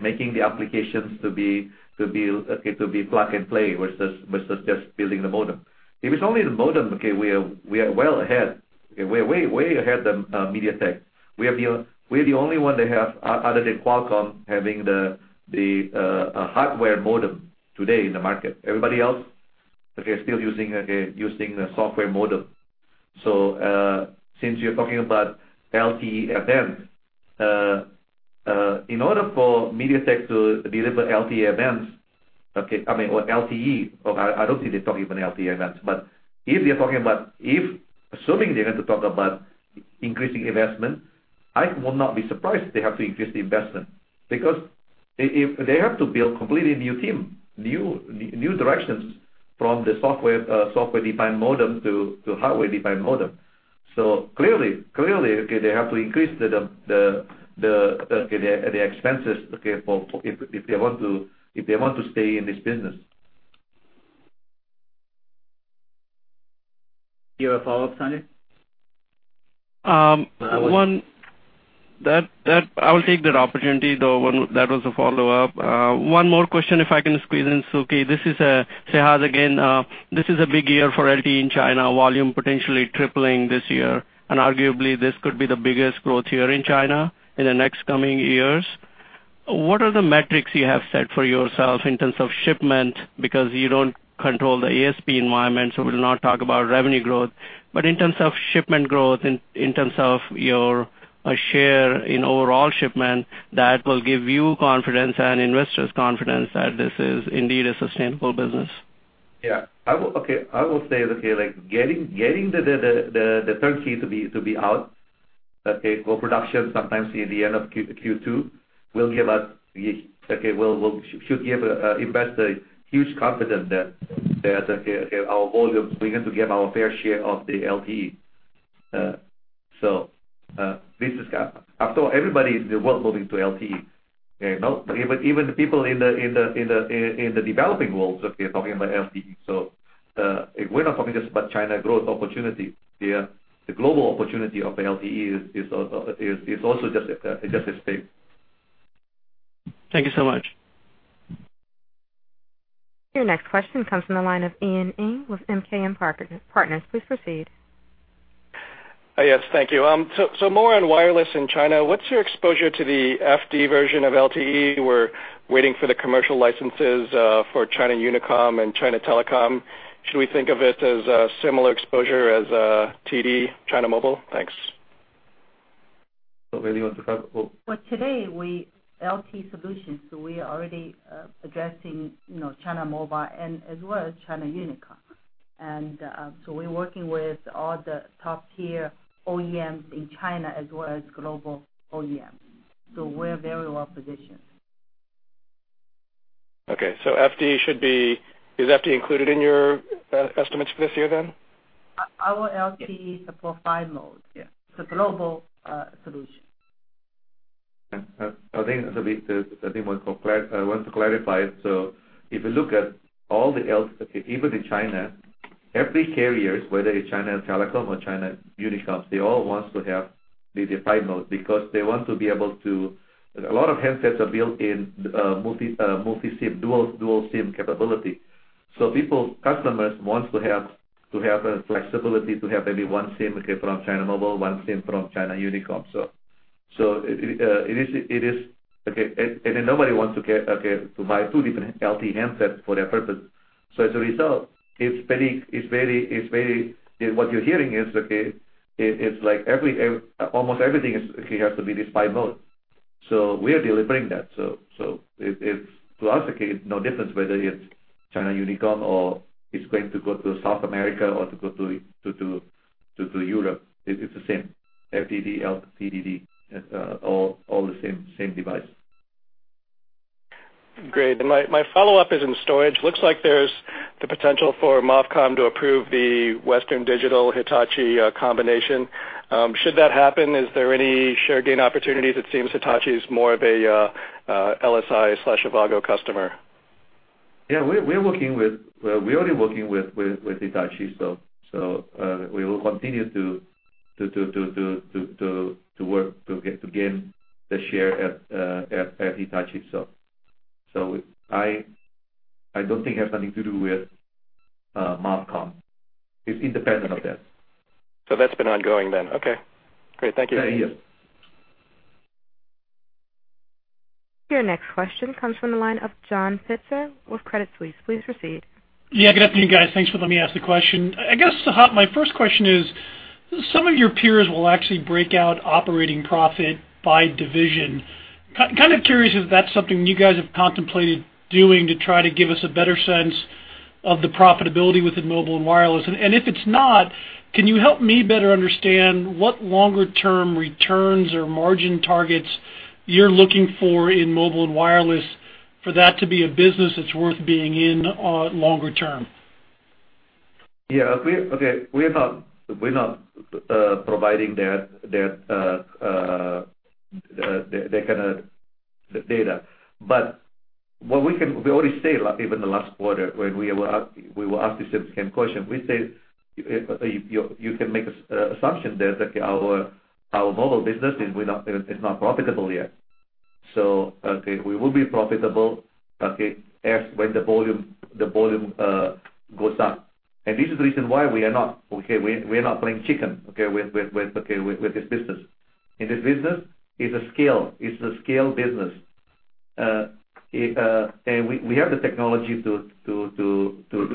making the applications to be plug and play versus just building the modem. If it's only the modem, okay, we are well ahead. We're way ahead than MediaTek. We're the only one that have, other than Qualcomm, having the hardware modem today in the market. Everybody else, okay, still using the software modem. Since you're talking about LTE Advanced, in order for MediaTek to deliver LTE Advanced, I mean, or LTE, or I don't think they're talking about LTE Advanced, but assuming they're going to talk about increasing investment, I will not be surprised if they have to increase the investment because they have to build completely new team, new directions from the software-defined modem to hardware-defined modem. Clearly, they have to increase the expenses if they want to stay in this business. You have a follow-up, Sanjay? I will take that opportunity, though, that was a follow-up. One more question if I can squeeze in, Sukhi. This is Sehat again. This is a big year for LTE in China, volume potentially tripling this year. Arguably, this could be the biggest growth year in China in the next coming years. What are the metrics you have set for yourself in terms of shipment? Because you don't control the ASP environment, so we'll not talk about revenue growth, but in terms of shipment growth, in terms of your share in overall shipment, that will give you confidence and investors confidence that this is indeed a sustainable business. I will say that getting the turnkey to be out, co-production sometimes in the end of Q2 should give investor huge confidence that our volumes, we're going to get our fair share of the LTE. After all, everybody in the world moving to LTE, okay? Even the people in the developing world are talking about LTE. We're not talking just about China growth opportunity here. The global opportunity of the LTE is also just as big. Thank you so much. Your next question comes from the line of Ian Ing with MKM Partners. Please proceed. Yes, thank you. More on wireless in China, what's your exposure to the FDD version of LTE? We're waiting for the commercial licenses for China Unicom and China Telecom. Should we think of it as a similar exposure as TD China Mobile? Thanks. Weili wants to comment. Today, LTE solutions, we are already addressing China Mobile and as well as China Unicom. We're working with all the top tier OEMs in China as well as global OEMs. We're very well-positioned. Is FDD included in your estimates for this year then? Our LTE support 5 modes. It's a global solution. I think I want to clarify. If you look at all the LTE, even in China, every carrier, whether it's China Telecom or China Unicom, they all want to have the 5 modes because they want to be able to. A lot of handsets are built in dual SIM capability. People, customers want to have the flexibility to have maybe one SIM from China Mobile, one SIM from China Unicom. Nobody wants to buy two different LTE handsets for that purpose. As a result, what you're hearing is, almost everything has to be this 5 mode. We are delivering that. To us, it's no difference whether it's China Unicom or it's going to go to South America or to go to Europe. It's the same. FDD, TDD, all the same device. Great. My follow-up is in storage. Looks like there's the potential for MOFCOM to approve the Western Digital-Hitachi combination. Should that happen, is there any share gain opportunities? It seems Hitachi is more of a LSI/Avago customer. Yeah, we're already working with Hitachi, so we will continue to work to gain the share at Hitachi. I don't think it has something to do with MOFCOM. It's independent of that. That's been ongoing then. Okay, great. Thank you. Yes. Your next question comes from the line of John Pitzer with Credit Suisse. Please proceed. Yeah, good afternoon, guys. Thanks for letting me ask the question. I guess, Sehat, my first question is, some of your peers will actually break out operating profit by division. Kind of curious if that's something you guys have contemplated doing to try to give us a better sense of the profitability within mobile and wireless. If it's not, can you help me better understand what longer-term returns or margin targets you're looking for in mobile and wireless for that to be a business that's worth being in longer term? Yeah. Okay. We're not providing that kind of data. What we can already say, even the last quarter when we were asked the same question, we say, you can make assumption there that our mobile business is not profitable yet. Okay, we will be profitable when the volume goes up. This is the reason why we are not playing chicken with this business. This business is a scale business. We have the technology to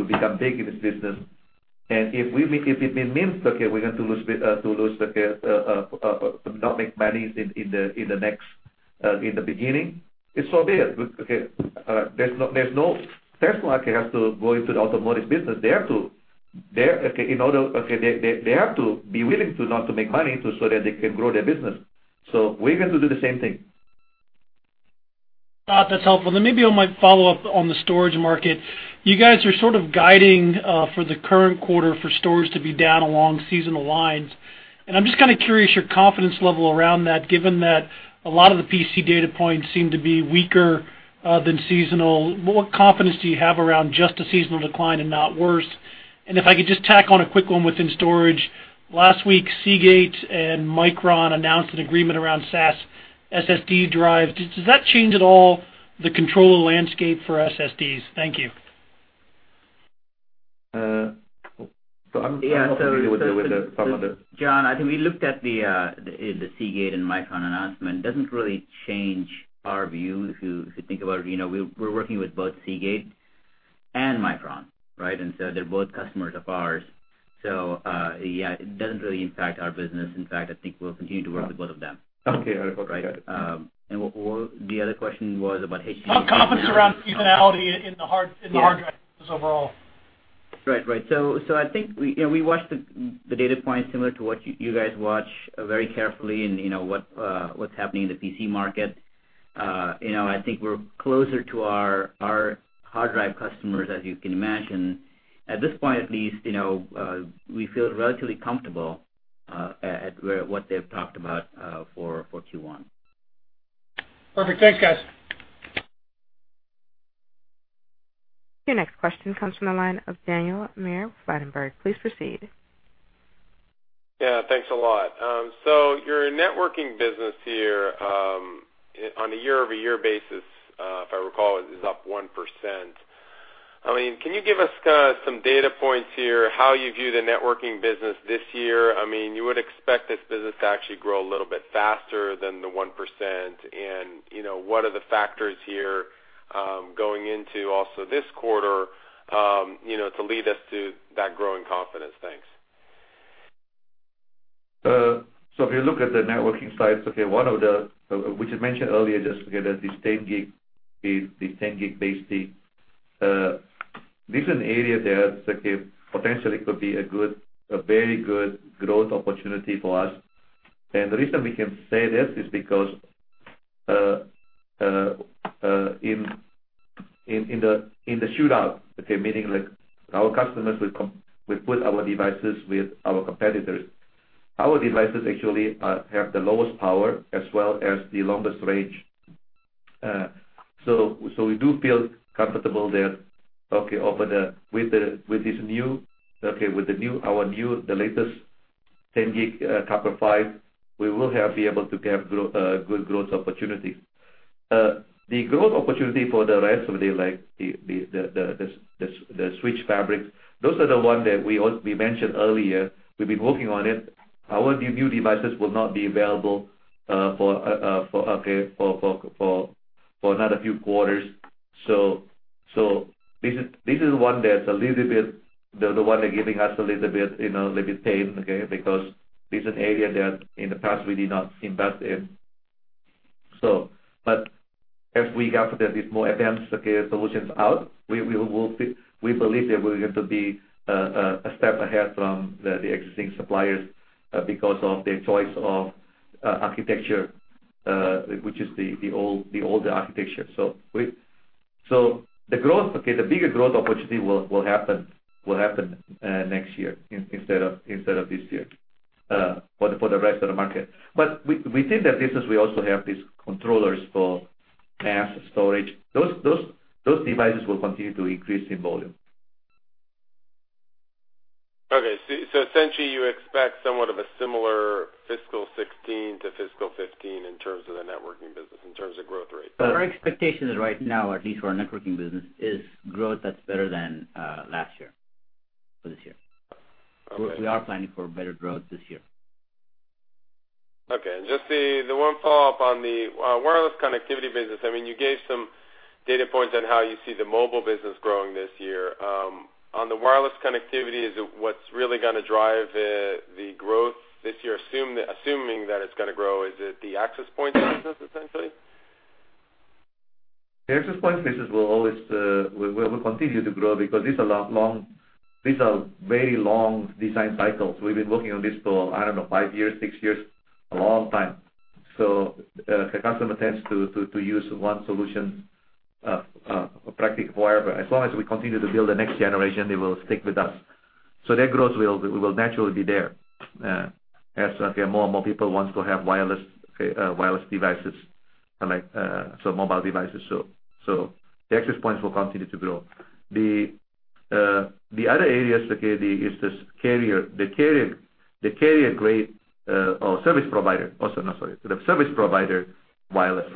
become big in this business. If it means we're going to not make money in the beginning, it's so be it. Tesla has to go into the automotive business. They have to be willing to not to make money so that they can grow their business. We're going to do the same thing. That's helpful. Maybe I might follow up on the storage market. You guys are sort of guiding, for the current quarter for storage to be down along seasonal lines, I'm just kind of curious your confidence level around that, given that a lot of the PC data points seem to be weaker than seasonal. What confidence do you have around just a seasonal decline and not worse? If I could just tack on a quick one within storage. Last week, Seagate and Micron announced an agreement around SAS SSD drives. Does that change at all the control of the landscape for SSDs? Thank you. I'm not familiar with. John, I think we looked at the Seagate and Micron announcement. Doesn't really change our view. If you think about it, we're working with both Seagate and Micron, right? They're both customers of ours. Yeah, it doesn't really impact our business. In fact, I think we'll continue to work with both of them. Okay. I forgot. Right. The other question was about HD- How is confidence around seasonality in the hard drive business overall. Right. I think we watch the data points similar to what you guys watch very carefully and what's happening in the PC market. I think we're closer to our hard drive customers, as you can imagine. At this point at least, we feel relatively comfortable at what they've talked about for Q1. Perfect. Thanks, guys. Your next question comes from the line of Daniel Meyer with Rosenblatt. Please proceed. Yeah, thanks a lot. Your networking business here, on a year-over-year basis, if I recall, it is up 1%. Can you give us some data points here how you view the networking business this year? You would expect this business to actually grow a little bit faster than the 1%, and what are the factors here, going into also this quarter, to lead us to that growing confidence? Thanks. If you look at the networking side, which I mentioned earlier, just that this 10GBASE-T, this an area there that could potentially be a very good growth opportunity for us. The reason we can say this is because, in the shootout, meaning like our customers will put our devices with our competitors. Our devices actually have the lowest power as well as the longest range. We do feel comfortable there. With our new, the latest 10G copper PHY, we will be able to have good growth opportunity. The growth opportunity for the rest of the switch fabric, those are the one that we mentioned earlier. We've been working on it. Our new devices will not be available for another few quarters. This is the one that giving us a little bit pain, okay, because this is an area that in the past we did not invest in. As we got these more advanced solutions out, we believe that we're going to be a step ahead from the existing suppliers because of the choice of architecture, which is the older architecture. The bigger growth opportunity will happen next year instead of this year for the rest of the market. Within that business, we also have these controllers for mass storage. Those devices will continue to increase in volume. Essentially you expect somewhat of a similar fiscal 2016 to fiscal 2015 in terms of the networking business, in terms of growth rate. Our expectation is right now, at least for our networking business, is growth that's better than last year for this year. Okay. We are planning for better growth this year. Okay. Just the one follow-up on the wireless connectivity business. You gave some data points on how you see the mobile business growing this year. On the wireless connectivity, what's really going to drive the growth this year, assuming that it's going to grow? Is it the access point business, essentially? The access point business will continue to grow because these are very long design cycles. We've been working on this for, I don't know, five years, six years, a long time. The customer tends to use one solution, practically forever. As long as we continue to build the next generation, they will stick with us. That growth will naturally be there as more and more people want to have wireless devices, so mobile devices. The access points will continue to grow. The other area is the carrier-grade or service provider. Also, no, sorry. The service provider wireless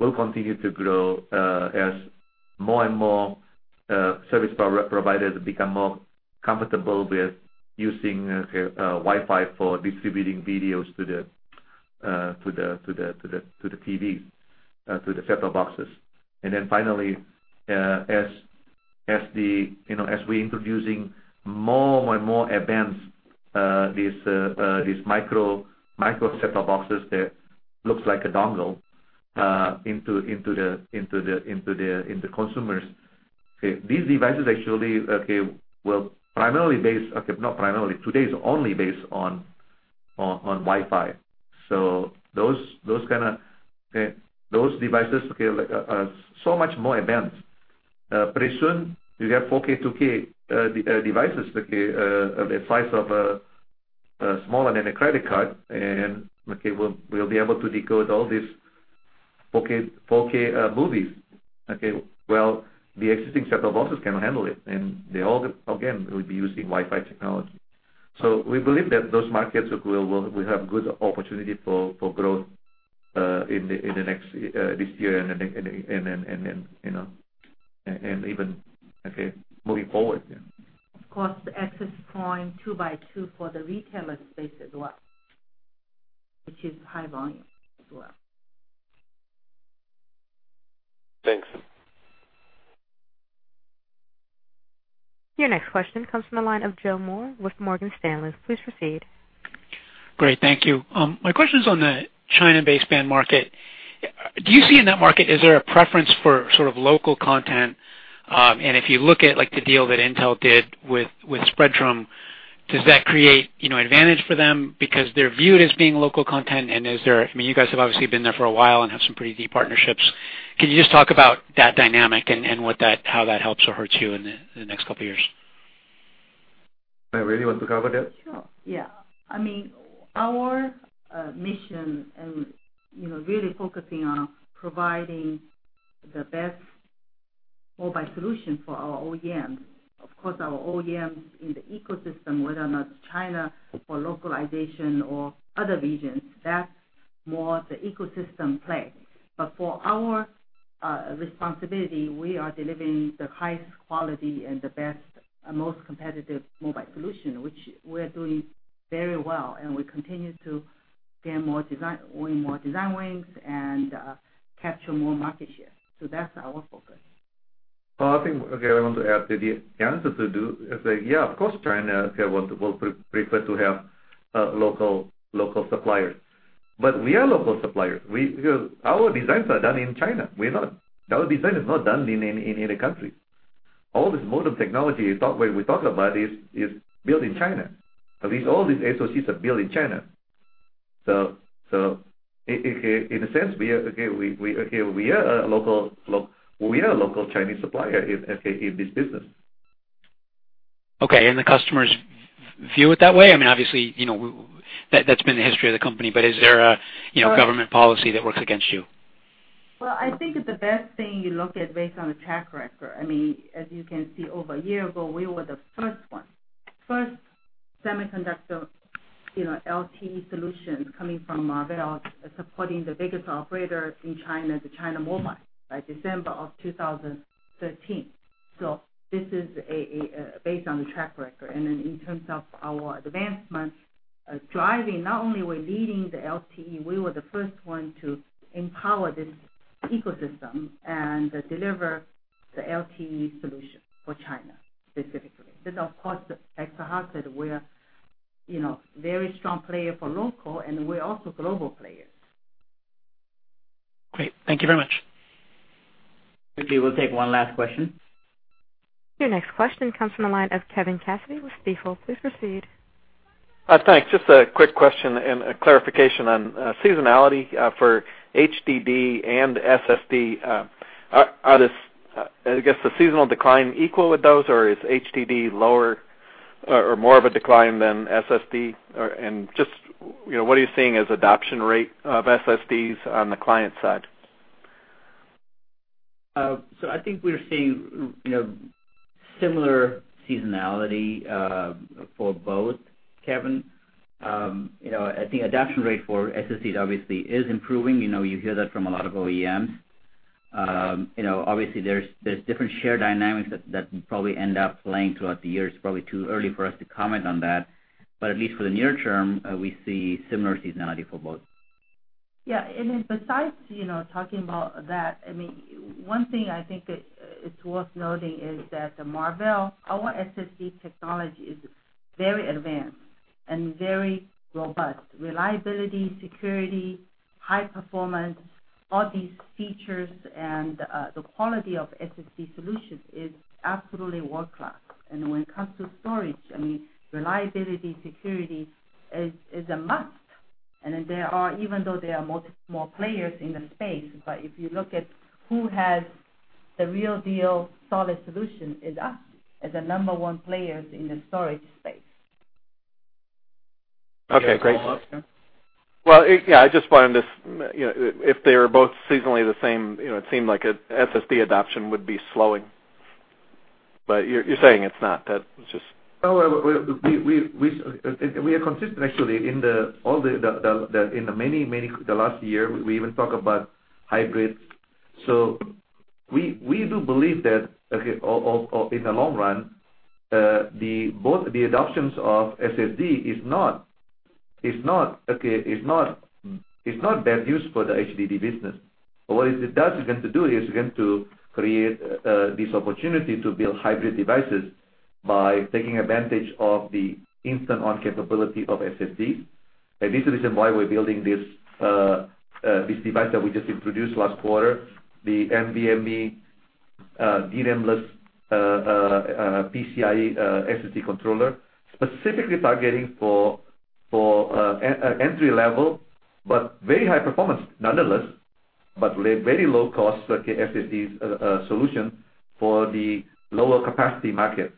will continue to grow as more and more service providers become more comfortable with using Wi-Fi for distributing videos to the TV, to the set-top boxes. Finally, as we're introducing more and more advanced these micro set-top boxes that looks like a dongle into consumers. These devices actually, well, primarily based. Not primarily, today, is only based on Wi-Fi. Those devices are so much more advanced. Pretty soon, you have 4K, 2K devices, the size of smaller than a credit card, and we'll be able to decode all these 4K movies. Okay. Well, the existing set-top boxes cannot handle it, and they all, again, will be using Wi-Fi technology. We believe that those markets will have good opportunity for growth this year and even moving forward. Of course, the access point two by two for the retail space as well, which is high volume as well. Thanks. Your next question comes from the line of Joseph Moore with Morgan Stanley. Please proceed. Great. Thank you. My question's on the China-based baseband market. Do you see in that market, is there a preference for sort of local content? If you look at the deal that Intel did with Spreadtrum, does that create advantage for them because they're viewed as being local content? I mean, you guys have obviously been there for a while and have some pretty deep partnerships. Can you just talk about that dynamic and how that helps or hurts you in the next couple of years? Wei, do you want to cover that? Sure. I mean, our mission and really focusing on providing the best mobile solution for our OEMs. Of course, our OEMs in the ecosystem, whether or not it's China or localization or other regions, that's more the ecosystem play. For our responsibility, we are delivering the highest quality and the best, most competitive mobile solution, which we're doing very well, and we continue to win more design wins and capture more market share. That's our focus. I want to add to the answer, of course, China wants to both prefer to have local suppliers. We are a local supplier. Our designs are done in China. Our design is not done in any country. All this modem technology we talk about is built in China. At least all these SoCs are built in China. In a sense, we are a local Chinese supplier in this business. The customers view it that way? I mean, obviously, that's been the history of the company. Is there a government policy that works against you? I think the best thing you look at based on the track record. I mean, as you can see, over a year ago, we were the first ones. First semiconductor LTE solutions coming from Marvell, supporting the biggest operator in China, the China Mobile, by December of 2013. This is based on the track record. In terms of our advancement, driving, not only were leading the LTE, we were the first one to empower this ecosystem and deliver the LTE solution for China, specifically. Of course, as Sehat said, we are very strong player for local, and we're also global players. Great. Thank you very much. Okay. We'll take one last question. Your next question comes from the line of Kevin Cassidy with Stifel. Please proceed. Thanks. Just a quick question and a clarification on seasonality for HDD and SSD. I guess, the seasonal decline equal with those, or is HDD lower or more of a decline than SSD? Just what are you seeing as adoption rate of SSDs on the client side? I think we're seeing similar seasonality for both, Kevin. I think adoption rate for SSD obviously is improving. You hear that from a lot of OEMs. Obviously, there's different share dynamics that probably end up playing throughout the year. It's probably too early for us to comment on that. At least for the near term, we see similar seasonality for both. Yeah. Besides talking about that, one thing I think that is worth noting is that the Marvell, our SSD technology is very advanced and very robust. Reliability, security, high performance, all these features, and the quality of SSD solutions is absolutely world-class. When it comes to storage, reliability, security is a must. Even though there are more players in the space, but if you look at who has the real deal solid solution, it's us as the number 1 players in the storage space. Okay, great. You have a follow-up, Kevin Cassidy. If they are both seasonally the same, it seemed like SSD adoption would be slowing. You're saying it's not. No. We are consistent actually in the last year, we even talk about hybrids. We do believe that, okay, in the long run, both the adoptions of SSD is not bad news for the HDD business. What it does is, it's going to create this opportunity to build hybrid devices by taking advantage of the instant-on capability of SSD. This is the reason why we're building this device that we just introduced last quarter, the NVMe DRAM-less PCIe SSD controller, specifically targeting for entry level, but very high performance nonetheless, but very low cost SSD solution for the lower capacity market.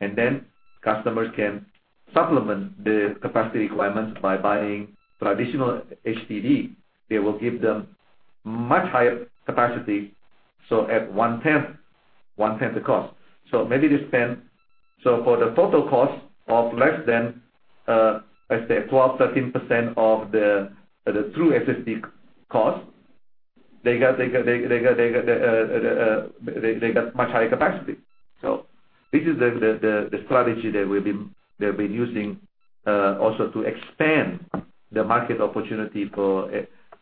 Then customers can supplement the capacity requirements by buying traditional HDD. They will give them much higher capacity, so at 1/10 the cost. Maybe they spend, so for the total cost of less than, let's say, 12%, 13% of the true SSD cost, they got much higher capacity. This is the strategy that we've been using also to expand the market opportunity for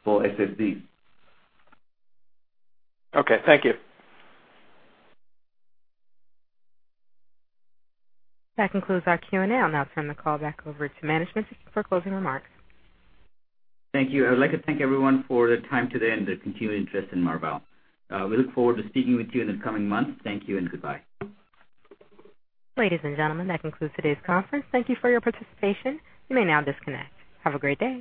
SSDs. Okay. Thank you. That concludes our Q&A. I'll now turn the call back over to management for closing remarks. Thank you. I would like to thank everyone for their time today and their continued interest in Marvell. We look forward to speaking with you in the coming months. Thank you and goodbye. Ladies and gentlemen, that concludes today's conference. Thank you for your participation. You may now disconnect. Have a great day.